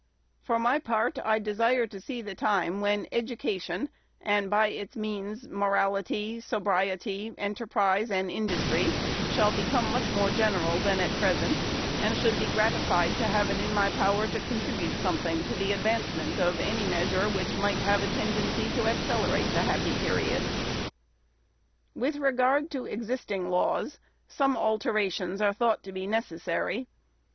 For my part, I desire to see the time when education and, by its means, morality, sobriety, enterprise, and industry shall become much more general than at present, and should be gratified to have it in my power to contribute something to the advancement of any measure which might have a tendency to accelerate the happy period. With regard to existing laws, some alterations are thought to be necessary.